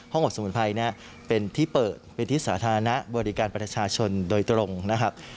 อดสมุนไพรเนี่ยเป็นที่เปิดเป็นที่สาธารณะบริการประชาชนโดยตรงนะครับ